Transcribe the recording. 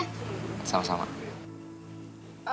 nugur biasanya juga anak anakemia